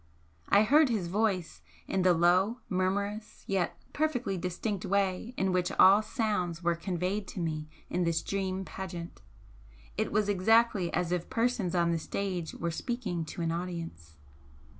I heard his voice, in the low, murmurous yet perfectly distinct way in which all sounds were conveyed to me in this dream pageant it was exactly as if persons on the stage were speaking to an audience.